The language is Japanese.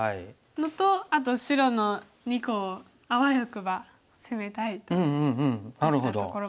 のとあと白の２個をあわよくば攻めたいといったところもあります。